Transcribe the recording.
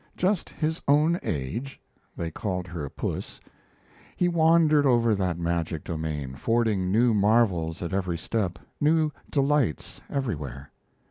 ] just his own age (they called her Puss), he wandered over that magic domain, fording new marvels at every step, new delights everywhere.